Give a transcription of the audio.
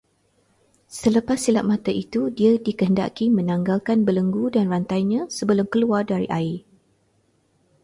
Selepas silap mata itu dia dikehendaki menanggalkan belenggu dan rantainya sebelum keluar dari air